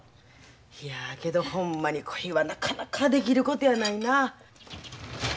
いやけどほんまにこいはなかなかできることやないな。